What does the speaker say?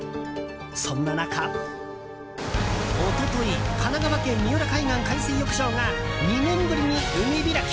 そんな中、一昨日神奈川県、三浦海岸海水浴場が２年ぶりに海開き。